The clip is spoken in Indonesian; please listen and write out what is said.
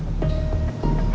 lo bisa mencintai dia